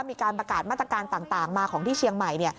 มีการประกาศมาตรการต่างมาของที่เชียงใหม่